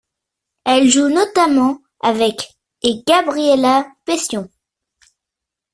Elle joue notamment avec et Gabriella Pession.